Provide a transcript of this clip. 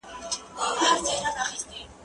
زه به سبا موټر کاروم؟!